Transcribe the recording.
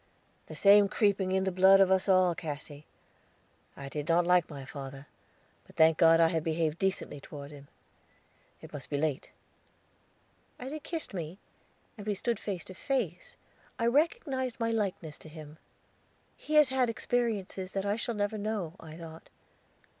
"The same creeping in the blood of us all, Cassy. I did not like my father; but thank God I behaved decently toward him. It must be late." As he kissed me, and we stood face to face, I recognized my likeness to him. "He has had experiences that I shall never know," I thought.